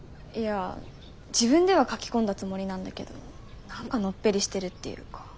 いや自分では描き込んだつもりなんだけど何かのっぺりしてるっていうか。